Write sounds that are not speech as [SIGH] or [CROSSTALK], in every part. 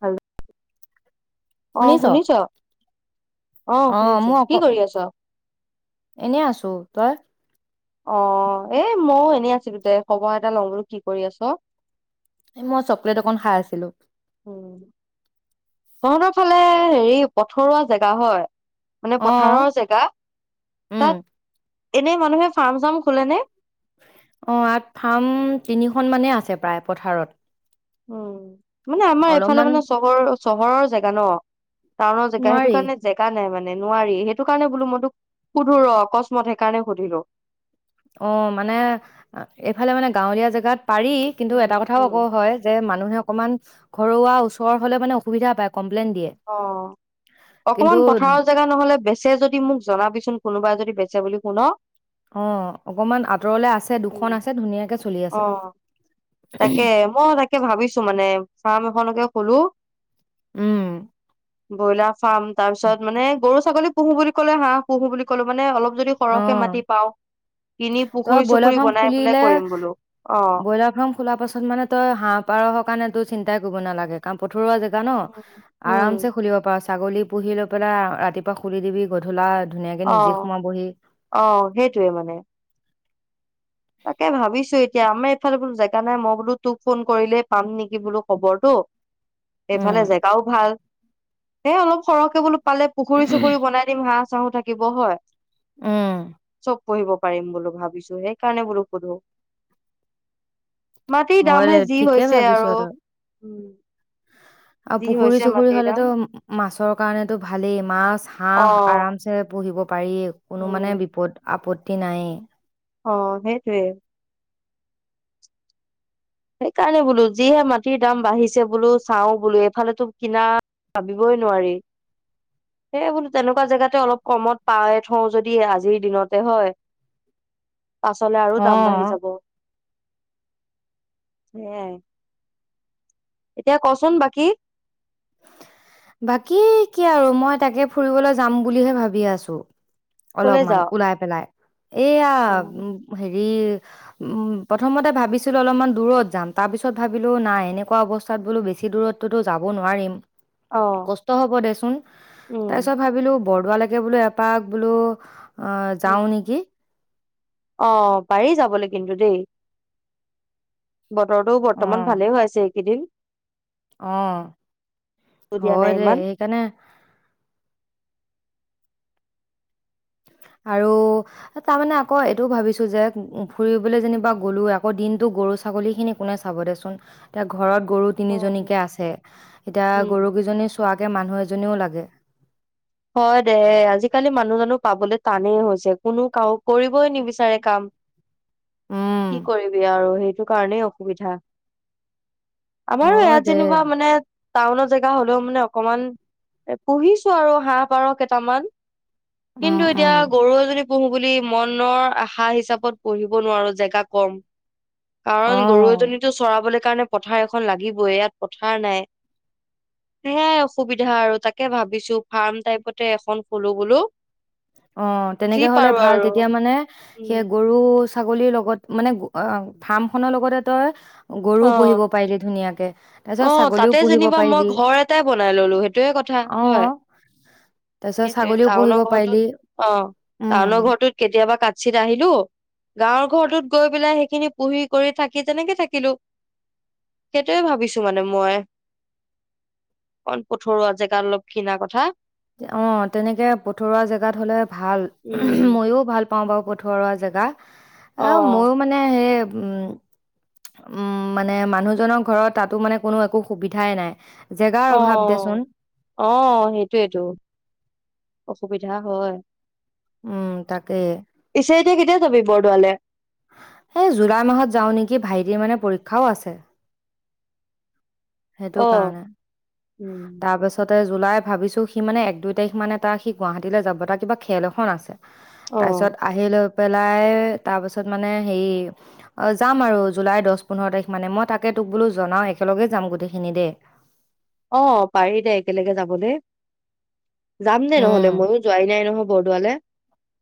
হ'ল শুনিছ অ অহ শুনিছো মোৰ কি অক কৰি আছ এনে আছো তই অ এ ময়ো এনেই আছিলো দে খবৰ এটা লঁও বোলো কি কৰি আছ এ মই চকলেট অকন খাই আছিলো উম তহঁতৰ ফালে হেৰি পথৰুৱা জেগা হয় মানে অ', পথাৰৰ জেগা উম, তাত এনেই মানুহে ফাৰ্ম চাৰ্ম খোলে নে অ ইয়াত ফাৰ্ম তিনিখন মানে আছে প্ৰায় পথাৰত অ মানে আমাৰ এফালে অলপমান মানে চহৰৰ চহৰৰ জেগা ন টাউনৰ জেগা সেইটো নোৱাৰি, কাৰণে জেগা নাই মানে নোৱাৰি সেইটো কাৰণে বোলো মই তোক সুধো ৰ অকস্মাত সেইকাৰণে সুধিলো অ মানে এইফালে মানে গাঁৱলীয়া জেগাত পাৰি কিন্তু উম এটা কথাও উম আকৌ হয় যে মানুহে অকণমান ঘৰুৱা ওচৰ হলে মানে অসুবিধা পায় কমপ্লেইন দিয়ে। অ কিন্তু অকমান পথাৰৰ জেগা নহলে বেচে যদি মোক জনাবিচোন কোনোবাই যদি বেচা বুলি শুন অহ অকমান আঁতৰলে আছে উম, দুখন আছে ধুনীয়াকে চলি আছে অ তাকে মই তাকে ভাবিছো মানে ফাৰ্ম এখনকে খোলো উম ব'লা ফাম তাৰ পিছত মানে গৰু ছাগলী পুহো বুলি ক'লে হাঁহ পুহো বুলি ক'লে মানে অল অ তই পুখুৰী ব্ৰইলাৰ চুখুৰী ফাৰ্ম বনাই পেলাই খুলিলে কৰিম বোলো অ ব্ৰইলাৰ ফাৰ্ম খোলাৰ পাছত মানে তই হাঁহ পাৰ হৰ কাৰণে তো চিন্তাই কৰিব নালাগে কাম প্ৰতি ৰোৱা জেগা ন আৰামছে উম খুলিব পৰা ছাগলী পুহি লৈ পেলাই ৰাতিপুৱা খুলি দিবি গধূলা ধুনীয়াকে অ নিজে সোমাবহি অ সেইটোৱে মানে তাকে ভাবিছো এতিয়া আমাৰ এইফালে বোলো জেগা নাই মই বোলো তোক ফোন কৰিলেই পাম নেকি বোলো খবৰটো এইফালে উম জেগাও ভাল এ অলপ সৰহকে বোলো পালে পুখুৰী চুখুৰী বনাই দিম চাহো থাকিব হয় উম পঢ়িব পাৰিম বুলি ভাবিছো হেই কাৰণে বোলো সোধো মাটিৰ হয় দে দামহে যি ঠিকে হৈছে ভাবিছ আৰু তই উম আৰু যি পুখুৰী হৈছে চুখুৰী মাটিৰ দাম হলেতো মাছৰ কাৰণেতো ভালেই মাছ অ হাঁহ আৰামছে পুহিব পাৰি কোনো মানে উম বিপদ আপত তি নাই অ সেইটোৱে সেইকাৰণে বোলো যিহে মাটিৰ দাম বাঢ়িছে বোলো চাওঁ বোলো এইফালেটো কিনা ভাবিবই নোৱাৰি সেয়ে বোলো তেনেকুৱা জেগাতে অলপ কমত পাই থওঁ যদি আজিৰ দিনতে হয় পাছলে আৰু অ দাম বাঢ়ি যাব হে এতিয়া কচোন বাকী বাকী কি আৰু মই তাকে ফুৰিবলৈ যাম বুলিহে ভাবি আছো কলে অলপমান যাও ওলাই পেলাই এয়া অ হে হে উ প্ৰথমতে ভাবিছিলো অলপমান দূৰত যাম তাৰপিছত ভাবিলো নাই এনেকুৱা অৱস্থাত বোলো বেছি দূৰতোতো যাব নোৱাৰিম অ কষ্ট হ'ব দেচোন উম তাৰপিছত ভাবিলো বৰদোৱালৈকে বোলো এপাক বোলো অ যাওঁ নেকি আহ পাৰি যাবলৈ কিন্তু দেই। বতৰতো অ বৰ্তমান ভালে হৈ আছে। কেইদিন। অ, ৰ'দ দিয়া হয় নাই দে ইমান সেইকাৰণে আৰু তাৰমানে আকৌ এইটোও ভাবিছো যে ফুৰিবলৈ যেনিবা গ'লো আকৌ দিনটো গৰু ছাগলী খিনি কোনে চাব দেচোন এতিয়া ঘৰত গৰু উম তিনিজনীকে আছে, এতিয়া উম গৰুকেইজনী চোৱাকে মানুহ এজ জনীও লাগে। হয় দে আজিকালি মানুহ জনো পাবলৈ টানেই হৈছে কোনো কাৰো কৰিবই নিবিচাৰে কাম। উম কি কৰিবি আৰু সেই সেইটো কাৰণেই অসুবিধা। আমাৰো হয় ইয়াত দে যেনিবা মানে টাউনৰ জেগা হ'লেও মানে অকমান পুহিছো আৰু হাঁহ, পাৰ কেইটামান। কিন্তু উম উম এতিয়া গৰু এজনী পোহো বুলি মনৰ আশা হিচাপত পঢ়িব নোৱাৰো জেগা কম। কাৰণ গৰু অঁ এজনীটো চৰাব লে কাৰণে পথাৰ এখন লাগিবই ইয়াত পথাৰ নাই, সেইয়াই অসুবিধা আৰু তাকে ভাবিছো ফাৰ্ম টাইপতে এখন ফুলো বোলো। অ যি তেনেকে হলে পাৰো ভাল আৰু তেতিয়া মানে সেই উম গৰু ছাগলীৰ লগত মানে ফাৰ্ম খনৰ লগতে তই গৰুও অ পুহিব পাৰিলি ধুনীয়াকে, অ তাৰপিছত ছাগলীও তাতে পুহিব যেনিবা মই পাৰিলি, ঘৰ এটাই বনাই ললো সেইটোয়ে কথা অ হয় তাৰপিছত সেইটোয়ে ছাগলীও টাউনৰ পুহিব ঘৰটোত পাৰিলি অ, উম টাউনৰ ঘৰটোত কেতিয়াবা কাছিত আহিলো, গাঁৱৰ ঘৰটোত গৈ পেলাই সেইখিনি পুহি কৰি থাকি তেনেকে থাকিলো। সেইটোৱে ভাবিছো মানে মই, অণ পথৰুৱা জেগাত অলপ কিণা কথা। অ তেনেকে পথৰুৱা জেগাত হলে ভাল উম মইও ভাল পাওঁ বাৰু। পথৰুৱা জেগা। অ মইয়ো মানে সেই উম, উম মানে মানুহজনৰ ঘৰত তাতো মানে কোনো একো সুবিধাই নাই জেগাৰ অ, অভাৱ দেচোন অ সেইটো। টো, অসুবিধা হয়। উম তাকে। পিছে এতিয়া কেতিয়া যাবি বৰদোৱালে? হে জুলাই মাহত যাও নেকি ভাইটিৰ মানে পৰীক্ষাও আছে। সেইটো অ কাৰনে। উম তাৰপাছত ত জুলাই ভাবিছো সি মানে এক দুই তাৰিখ মানে তাৰ সি গুৱাহাটীলৈ যাব তাৰ কিবা খেল এখন আছে। অ তাৰপিছত আহিলো পেলাই তাৰ পাছত মানে হেৰি যাম আৰু জুলাই দহ পোন্ধৰ তাৰিখ মানে মই তাকে তোক বোলো জনাও একেলগে যাম গোটেইখিনি দেই। অ পাৰি দে একেলগে যাবলৈ। যাম নে নহ'লে উম মইয়ো যোৱাই নাই নহব। বৰডোৱালে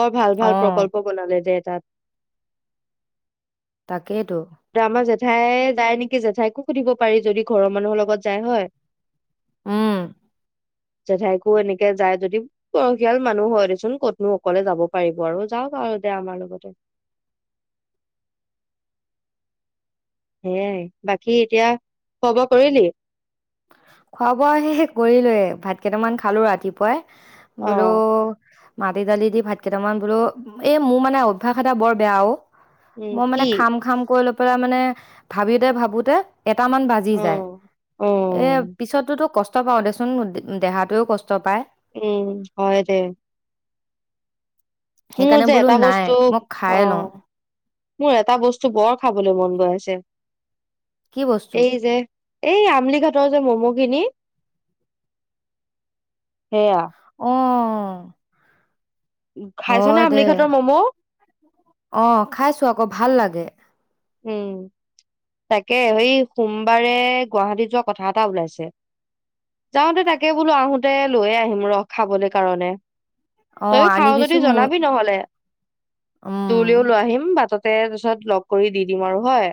বৰ ভাল অ ভাল প্ৰকল্প বনালে যে। চাত সেইটো জেঠাই যায় নেকি জেঠাইকো সুধিব পাৰি যদি ঘৰৰ মানুহৰ লগত যায় হয়। উম জেঠাইকো এনেকে যায় যদি বয়সীয়াল মানুহ হয় দেচোন কতনো অকলে যাব পাৰিব আৰু যাওঁক আৰু দে আমাৰ লগতে। সেয়াই বাকী এতিয়া খোৱা বোৱা কৰিলি? খোৱা বোৱা শেষ কৰিলোৱে ভাত কেইটামান খালো ৰাতিপুৱাই। অ বোলো মাটি দালি দি ভাত কেইটামান বোলো এ মোৰ মানে অভ্যাস এটা বৰ বেয়া অ উম মই মানে কি খাম খাম কৰি ল পেলাই মানে ভাবিতে- ভাবোতে এটামান বাজি অ যায়। অ এ পিছতোতো কষ্ট কষ্ট পাওঁ দেচোন দেহটোও কষ্ট পায়। উম হয় দে। মোৰ সেইকাৰণে যে বোলো এটা নাই বস্তু মই খাই অ লওঁ মোৰ এটা বস্তু বৰ খাবলৈ মন গৈ আছে। কি বস্তু? এই যে এই আমলি ঘাটৰ যে মম' খিনি সেয়া। অ', খাইছনে হয় দে। আমলি ঘাটৰ ম'ম'? অ খাইছো আকৌ ভাল লাগে। উম তাকে সেই সোমবাৰে গুৱাহাটীত যোৱা কথা এটা ওলাইছে যাওঁতে তাকে বোলো আহোতে লৈয়ে আহিম ৰস খাবলৈ কাৰণে- অ', তইয়ও খাও যদি আনিবিচোন মোৰ জনাবি নহলে উম, তুলিও লৈ আহিম বাটত- তাৰ পিছত লগ- কৰি দি দিম আৰু হয়।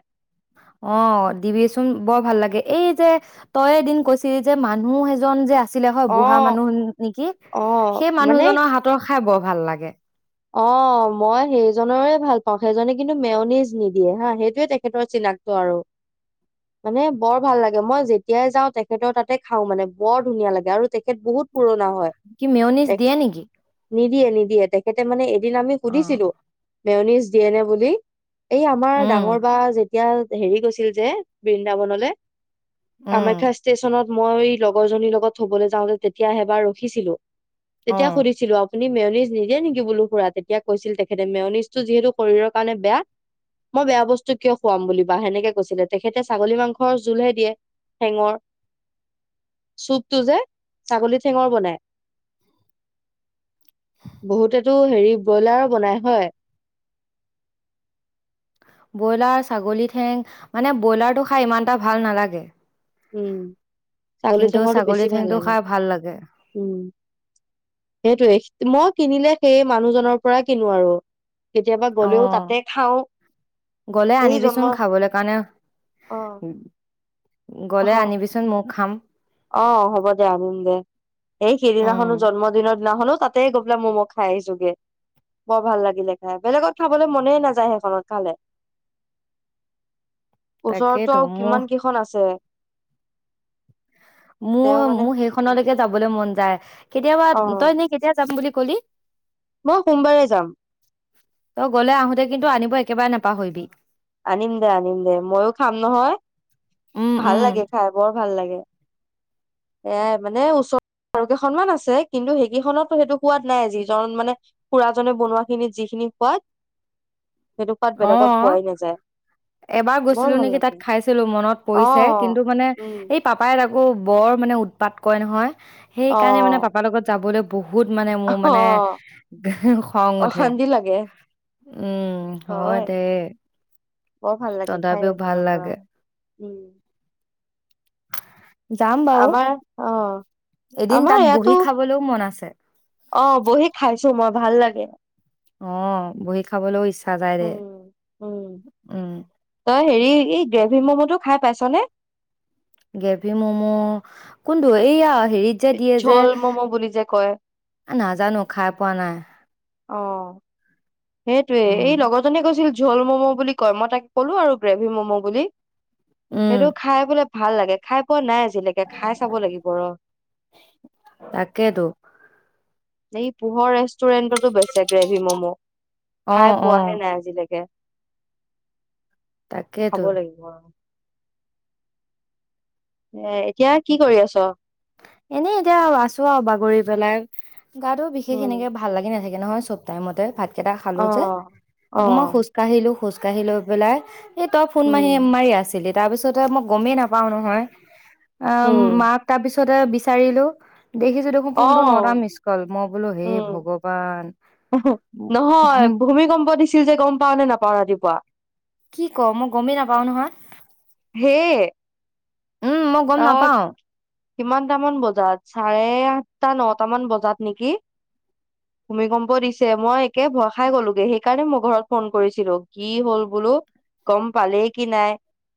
অ দিবিচোন বৰ ভাল লাগে এই যে তই এদিন কৈছিলি যে মানুহ এইজন যে- আছিলে হয় অ বুঢ়া মানুহ নেকি অ সেই মানে মানুহজনৰ হাতৰ খাই বৰ ভাল লাগে অ মই সেইজৰে ভাল পাওঁ সেইজনে কিন্তু মেওনিজ নিদিয়ে হা সেইটোয়ে তেখেতৰ চিনাক্ত আৰু মানে বৰ ভাল লাগে মই যেতিয়াই যাওঁ তেখেতৰ তাতে খাওঁ মানে বৰ ধুনীয়া লাগে আৰু তেখেত বহুত- পুৰণা কি মেয়নিজ দিয়ে নেকি- দি নিদয়ে নিদিয়ে। তাতে মানে। এদিন আমি অ' সুধিছিলো মেওনিজ দিয়ে নে বুলি এই আমাৰ উম, ডাঙৰ বা যে এতিয়া হেৰি গৈছিল যে বৃন্দাবনলৈ উম, কামাখ্যা ষ্টেচনত মই লগৰ জনীৰ লগত থবলৈ যাওঁতে তেতিয়া এবাৰ ৰখিছিলো। তেতিয়া অ', সুধিছিলো আ। মেওনিজ নিদে নকি বোলো ফুৰা তেতিয়া কৈছিল তেখেতে মেওনিজটো যিহেতু শৰীৰৰ কাৰণে বেয়া মই বেয়া বস্তু কিয় খুৱাম বুলি দিম সেনেকে কৈছিলে তেখেতে ছাগলী মাংসৰ জোলহে দিয়ে ঠেঙৰ চুপটো যে ছাগলী ঠেঙৰ বনাই বহুতে টো হেৰি ব্ৰইলাৰো বনাই হয় ব্ৰইলাৰ ছাগলী ঠেং মানে ব্ৰইলাৰটো খাই ইমান এটা ভাল নালাগে। উম ছাগলী কিন্তু চেঙৰটো ছাগলী বেছি ভাল ঠেংটো লাগে খাই ভাল লাগে। উম সেইটোৱে মই কিনিলে সেই মানুহজনৰ পৰা কিনো আৰু- কেতিয়াবা গলেও অ', তাতে খাওঁ গ'লে সেই আনিবিচোন জন্ম খাবলৈ কাৰণে অ- গ'লে অ', আনিবিচোন মোক খাম- অ হ'ব দে আনিম দে এই উম। সেইদিনাখনো জন্মদিনৰ দিনাখনো তাতে গৈ বিলা ম'ম' খাই আহিছোগে বৰ ভাল লাগিলে খাই বেলেগত খাবলৈ মনেই নাযায় সেইখনত খালে ওচৰতটো তাকেইতো আৰু মোৰ কিমান কেইখন আছে তেওঁ মোৰ মানে মোৰ উম, সেইখনলৈকে যাবলৈ মন যায়। [UNINTELLIGIBLE] কেতিয়াবা তই অ', ন কেতিয়া যাম বুলি কলি মই সোমবাৰে যাম। তই গ'লে আহোতে কিন্তু আনিব একেবাৰে নাপাহৰিবি আনিম দে আনিম দে মইও খাম নহয় উম, ভাল উম। লাগে খাই বৰ ভাল লাগে এ মানে ওচৰকেই সন্মান আছে কিন্তু সেইকেইখনতো সেইটো সোৱাদ নাই যিজন মানে খুৰাজনে বনোৱা খিনিত যিখিনি সোৱাদ সেইটো সোৱাদ অ বেলেগত পোৱাই নাযায় এবাৰ বৰ গৈছিলো ভাল নেকি তাত লাগে খাইছিলো মনত অ পৰিছে কিন্তু মানে উম এই পাপাই লগ আকৌ বৰ মানে উৎপাত কয় নহয় সেই অ কাৰণে মানে পাপাৰ লগত যাবলৈ বহুত মানে মোৰ অ মানে খং উঠে অশান্তি লাগে উম অ হয় দে বৰ ভাল লাগে খাই তথাপিও ভাল সেইখনৰ পৰা লাগে। উম যাম বাৰু আমাৰ অ এদিন আমাৰ তাত ইয়াতো বহি খাবলৈও মন আছে অ বহি খাইছো মই ভাল লাগে অহ বহী খাবলৈও ইচ্ছা যায় দে উম উম উম। তই হেৰি এই গ্ৰেভি ম'ম' টো খাই পাইছনেে গেভি মম' কোনটো এইয়া হেৰিত যে দিয়ে যে ঝোল ম'ম' বুলি যে কয় নাজানো খাই পোৱা নাই অ সেইটোয়ে উম, এই লগৰজনে কৈছিল ঝল ম'ম' বুলি কয় মই তাকে ক'লো আৰু গ্ৰেভি ম'ম' বুলি। উম, সেইটো খাই বোলে ভাল লাগে খাই পোৱা নাই। যেনেকে খাই চাব লাগিব ৰ তাকেতো এই পোহৰ ৰেষ্টুৰেণ্টতো বেছে গ্ৰেভি ম'ম' খাই অ', পোৱাহে অ', নাই আজিলৈকে তাকেতো খাব লাগিব আৰু এ এতিয়া কি কৰি আছ এনেই এতিয়া আছো আৰু বাগৰি পেলাই গাতো বিশেষ উম এনেকে ভাল লাগি নাথাকে সে নহয় চব টাইমতে ভাত কেইটা খালো অ যে অ আকৌ মই খোজ কাঢ়িলো খোজঢ়ি ক লোক পেলাই স তই ফোন উম মাহি মাৰি আছিলি তাৰপিছতে মই গমেই নাপাওঁ নহয় অ উম ম ত পিছত পিছতে বিচাৰিলো দেখিছো দেখোন অ ফোনটো নটা মিচ কল মই বোলো হেই উম ভগৱান নহয় ভূমিকম্প দিছিল যে গম পাও নে নাপাও ৰাতিপুৱা কি ক মই গমেই নাপাও নহয় হে উম মই গম নাপাও কিমানটামান বজাত চাৰে আঠটা নটামান বজাত নেকি ভূমিকম্প দিছে মই একে ভৰ খাই গলোগে সেইকাৰণে মই ঘৰত ফোন কৰিছিলো কি হল বোলো গম পালেই কি নাই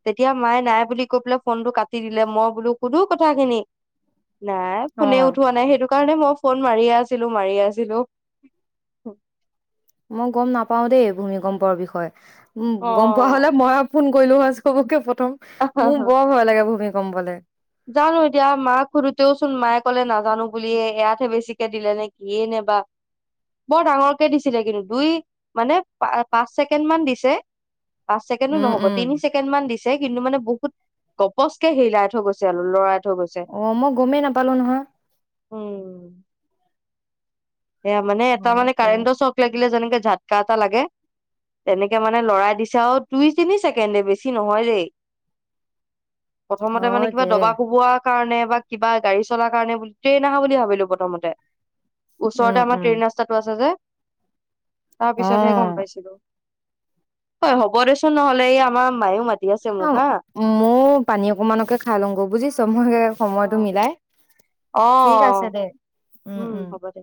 তেতিয়া মায়ে নাই বুলি কৈ পেলাই ফোনটো কাটি দিলে মই বোলো কুধো কথাখিনি নাই অ ফোনে উঠোৱা নাই সেইটো কাৰণে মই ফোন মাৰিয়ে আছিলো, মাৰিয়ে আছিলো। মই গম নাপাও দেই ভূমিকম্পৰ বিষয়ে। উম অ গম পোৱা হলে মই আপোন কৈলো হৈ চবকে থম মোৰ বৰ ভয় লাগে ভূমিকম কম্বলে জানো এতিয়া মাক সোধোতেওচোন মায়ে কলে নাজানো বুলি। এয়াতহে বেছিকে দিলে নে কিয়েই নে বা। বৰ ডাঙৰকে দিছিলে কিন্তু। দুই মানে প পাঁচ ছেকেণ্ড মান দিছে। পাঁচ ছেকেণ্ডও উম নহ'ব। উম তিনি ছেকেণ্ড মান দিছে। কিন্তু মানে বহু গপচ কে হেৰিলাই থৈ গৈছে। চাল লৰা অ, মই গমেই নাপালো নহয়। এয়া মানে অ এটা মানে দে কাৰেণ্টৰ চক লাগিলে যেনেকে ঝাতকা এটা লাগে। তেনেকে মানে লৰাই দিছে আৰু দুই তিনি ছেকেণ্ডে, বেছি নহয় দেই। প্ৰথমতে মানে হয় কিবা দে দবা কোবোৱা কাৰণে বা কিবা গাড়ী চলাৰ কাৰণে বুলি, ট্ৰেইন আহা বুলি ভাবিলো প্ৰথমতে। উম ওচৰতে আমাৰ উম ট্ৰেইন ৰাস্তাটো আছে যে। তাৰ অ পিছতহে গম পাইছিলো। হয় হ'ব দেচোন নহলে, এই আমাৰ মায়েও মাতি আছে অ মোক হা। মই পানী অকমানকে খাই লওঁগে বুজিছ। মই সময়টো অ'। মিলাই। ঠিক আছে অ', দে। উম, হ'ব দে।